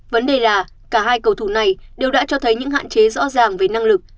vấn đề là cả hai cầu thủ này đều đã cho thấy những hạn chế rõ ràng về năng lực